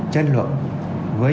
tranh luận với